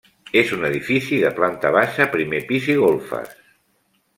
És un edifici de planta baixa, primer pis i golfes.